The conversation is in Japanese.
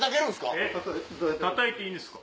たたいていいんですか？